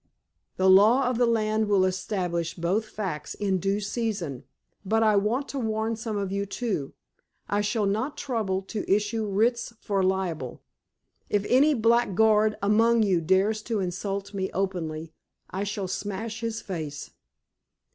The law of the land will establish both facts in due season. But I want to warn some of you, too, I shall not trouble to issue writs for libel. If any blackguard among you dares to insult me openly, I shall smash his face."